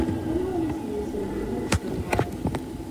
Anwa ay asen-yeslemden ad ssunɣen?